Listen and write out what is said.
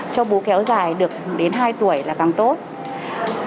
cho bố kéo dài được đến hai tuổi là càng tốt